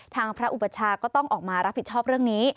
ทางพระอุปชาก็ต้องออกมารับผิดชอบเรื่องนี้